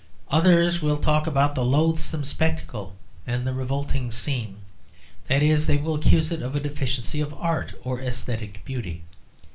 Others will talk about the loathsome spectacle and the revolting scene; that is, they will accuse it of a deficiency of art, or æsthetic beauty.